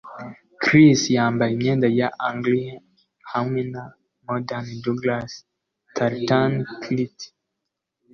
Chris yambaye imyenda ya Argyll hamwe na modern Douglas tartan kilt.